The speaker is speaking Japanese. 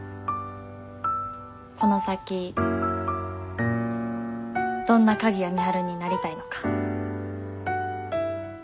この先どんな鍵谷美晴になりたいのか。